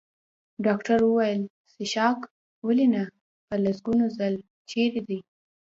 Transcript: ډاکټر وویل: څښاک؟ ولې نه، په لسګونو ځل، چېرې دی؟